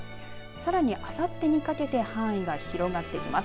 さらに、あさってにかけて範囲が広がってきます。